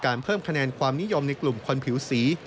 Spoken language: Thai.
เพิ่มคะแนนความนิยมในกลุ่มคนผิวสี